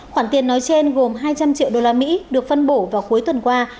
khoản tiền nói trên gồm hai trăm linh triệu đô la mỹ được phân bổ vào cuối tuần qua